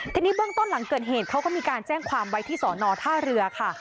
ทีนี้เบื้องต้นหลังเกิดเหตุเขาก็มีการแจ้งความไว้ที่สอนอท่าเรือค่ะ